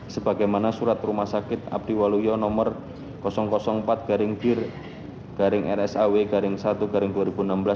sebagaimana surat rumah sakit abdiwalula nomor empat garing garing rsaw garing sawal